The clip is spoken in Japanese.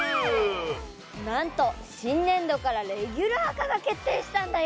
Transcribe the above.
なんとしんねんどからレギュラー化が決定したんだよ！